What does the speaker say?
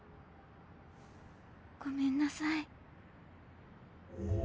ごめんなさい。